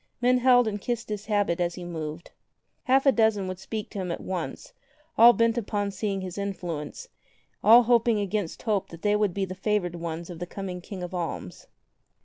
Men held and kissed his habit as he moved. Half a dozen would speak to him at once, all bent upon seeking his influence, all hoping against hope that they would be the favored ones of the coming King of Alms.